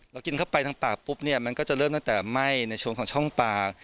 กินเข้าไปทางปากปุ๊บเนี่ยมันก็จะเริ่มตั้งแต่ไหม้ในช่วงของช่องปาก